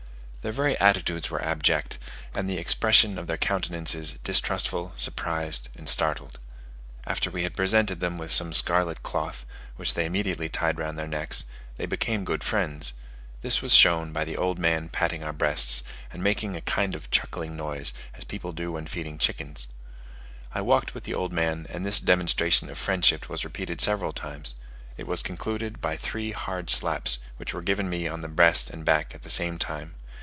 Their very attitudes were abject, and the expression of their countenances distrustful, surprised, and startled. After we had presented them with some scarlet cloth, which they immediately tied round their necks, they became good friends. This was shown by the old man patting our breasts, and making a chuckling kind of noise, as people do when feeding chickens. I walked with the old man, and this demonstration of friendship was repeated several times; it was concluded by three hard slaps, which were given me on the breast and back at the same time.